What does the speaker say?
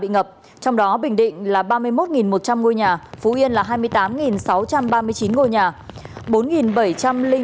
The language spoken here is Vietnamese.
trong đó bình định là ba mươi một một trăm linh ngôi nhà phú yên là hai mươi tám sáu trăm ba mươi chín ngôi nhà